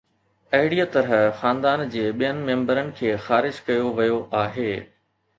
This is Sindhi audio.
اهڙيء طرح خاندان جي ٻين ميمبرن کي خارج ڪيو ويو آهي.